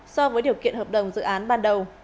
so với điều kiện hợp đồng dự án ban đầu